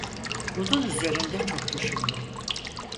Bunun üzerinde çok düşündüm.